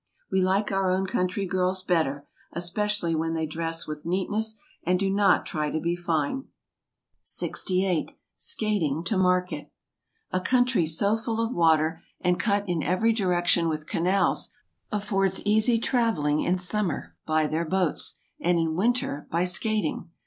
We like our own 82 HOLLAND. country girls better, especially when they dress with neatness, and do not try to be fine. 68 . Skaiting to Market . A country so full of water, and cut in every direction with canals, affords easy travelling in summer, by their boats; and in winter, by skait ing.